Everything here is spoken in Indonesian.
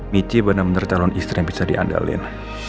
michi bener bener telon istri yang bisa diandalkan